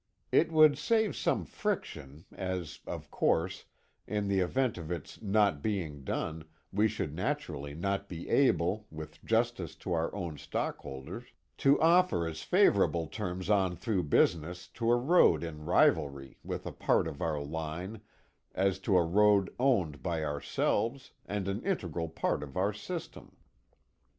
It would save some friction, as, of course, in the event of its not being done, we should naturally not be able, with justice to our own stockholders, to offer as favorable terms on through business to a road in rivalry with a part of our line, as to a road owned by ourselves, and an integral part of our system.